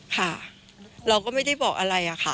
ค่ะเราก็ไม่ได้บอกอะไรอะค่ะ